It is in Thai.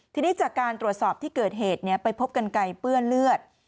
ทีนี้จากการตรวจสอบที่เกิดเหตุไปพบกันไกลเปื้อนเลือด